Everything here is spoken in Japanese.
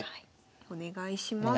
お願いします。